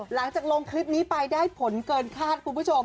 หลังจากลงคลิปนี้ไปได้ผลเกินคาดคุณผู้ชม